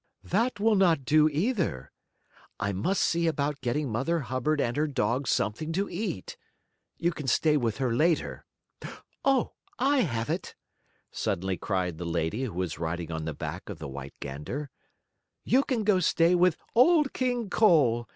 "That will not do, either. I must see about getting Mother Hubbard and her dog something to eat. You can stay with her later. Oh, I have it!" suddenly cried the lady who was riding on the back of the white gander, "you can go stay with Old King Cole!